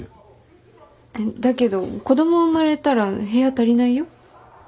だけど子供生まれたら部屋足りないよ？